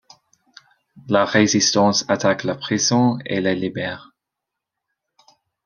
La résistance attaque la prison et les libère.